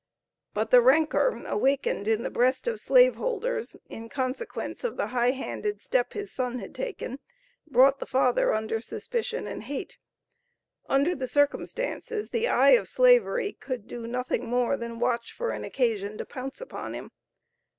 But the rancor awakened in the breast of slave holders in consequence of the high handed step the son had taken, brought the father under suspicion and hate. Under the circumstances, the eye of Slavery could do nothing more than watch for an occasion to pounce upon him.